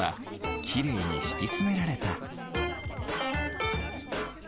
きれいにしきつめられた。